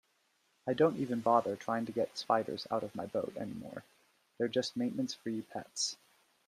I don't even bother trying to get spiders out of my boat anymore, they're just maintenance-free pets.